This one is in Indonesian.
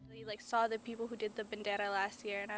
dia melihat orang orang yang melakukan bendera tahun lalu